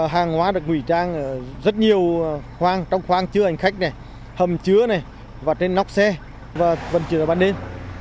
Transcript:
hàng hóa được nguy trang ở rất nhiều khoang trong khoang chứa hành khách hầm chứa trên nóc xe và vận chuyển vào ban đêm